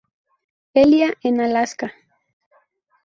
Elia, en Alaska.